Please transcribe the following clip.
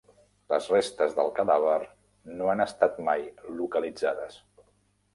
Les restes del cadàver no han estat mai localitzades.